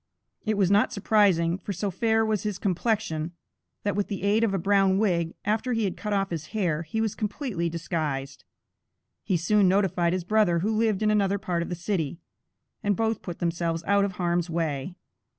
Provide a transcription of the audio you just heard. It was not surprising, for so fair was his complexion, that with the aid of a brown wig, after he had cut off his hair, he was completely disguised. He soon notified his brother, who lived in another part of the city, and both put themselves out of harm's way.